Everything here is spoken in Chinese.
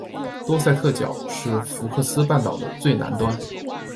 多塞特角是福克斯半岛的最南端。